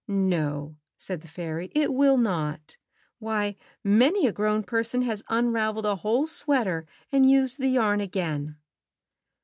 '^No," said the fairy, "it will not. Why, many a grown person has unraveled a whole sweater and used the yarn again."